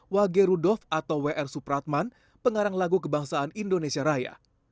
wage rudolf atau w r supratman pengarang lagu kebangsaan indonesia raya